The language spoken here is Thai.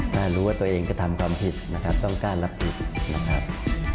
ถ้ารู้ว่าตัวเองกระทำความผิดนะครับต้องกล้ารับผิดนะครับ